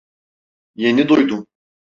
Yeni duydum.